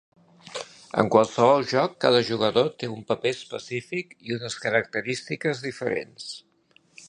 En qualsevol joc, cada jugador té un paper específic i unes característiques diferents.